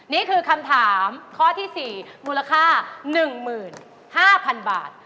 นี่คือคำถามข้อที่๔มูลค่า๑๕๐๐๐บาท